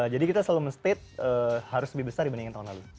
jadi kita selalu men state harus lebih besar dibandingin tahun lalu